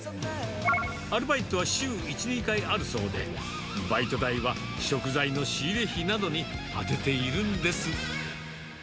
アルバイトは週１、２回あるそうで、バイト代は食材の仕入れ費などに充てているんです。